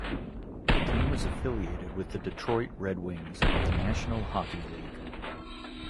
The team was affiliated with the Detroit Red Wings of the National Hockey League.